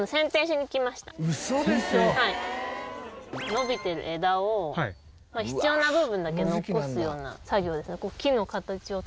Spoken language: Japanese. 伸びてる枝を必要な部分だけ残すような作業ですね。